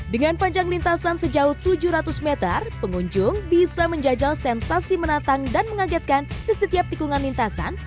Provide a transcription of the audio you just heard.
dengan panjang lintasan sejauh tujuh ratus meter pengunjung bisa menjajal sensasi menatang dan mengagetkan di setiap tikungan lintasan